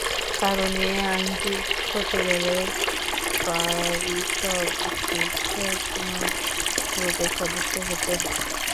কারণ, এ আইনটি করতে গেলে প্যারিসভিত্তিক এগমন্ট গ্রুপের সদস্য হতে হয়।